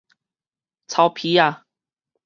草疕仔